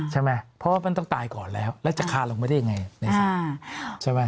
ใช่ไหมเพราะว่ามันต้องตายก่อนแล้วแล้วจะคาลงมาได้ยังไงในศาลใช่ไหม